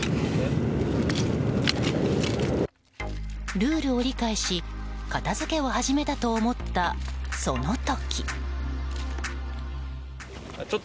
ルールを理解し片づけを始めたと思ったその時。